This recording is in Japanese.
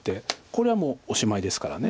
これはもうおしまいですから。